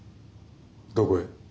どこへ？